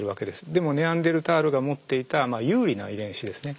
でもネアンデルタールが持っていたまあ有利な遺伝子ですね。